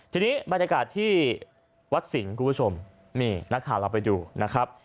ทีนี้บรรยากาศที่วัดสิงห์คุณผู้ชมนี่นักข่าวเราไปดูนะครับ